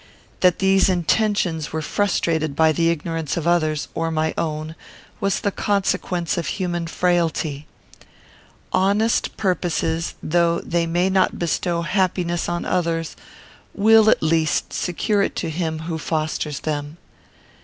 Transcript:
That these intentions were frustrated by the ignorance of others, or my own, was the consequence of human frailty. Honest purposes, though they may not bestow happiness on others, will, at least, secure it to him who fosters them.